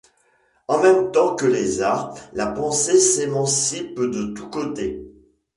En même temps que les arts, la pensée s’émancipe de tous côtés.